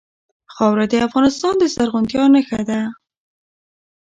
خاوره د افغانستان د زرغونتیا نښه ده.